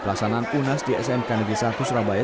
pelasanan unas di sm kanadisa kusurabaya